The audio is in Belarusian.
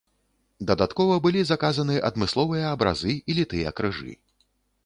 Дадаткова былі заказаны адмысловыя абразы і літыя крыжы.